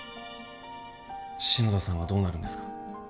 篠田さんはどうなるんですか？